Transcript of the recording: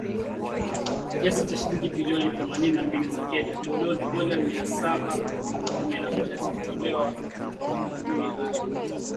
Kiasi cha shilingi bilioni themanini na mbili za Kenya, dola milioni mia saba kumi na moja, zilitolewa kwa makampuni hayo Jumatatu kulipa deni